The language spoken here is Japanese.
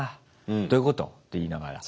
「どういうこと？」って言いながら。